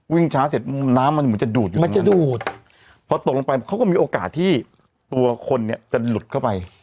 วิ่งช้าเสร็จน้ำมันมันจะดูดมันจะดูดเพราะตกลงไปเขาก็มีโอกาสที่ตัวคนนี้จะหลุดเข้าไป